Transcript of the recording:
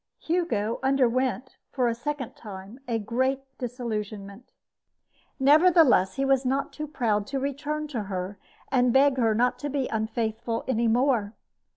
Hugo underwent for a second time a great disillusionment. Nevertheless, he was not too proud to return to her and to beg her not to be unfaithful any more.